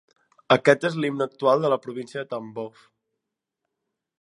Aquest és l'himne actual de la província de Tambov.